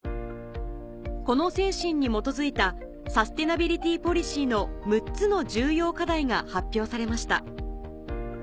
この精神に基づいたサステナビリティポリシーの６つの重要課題が発表されました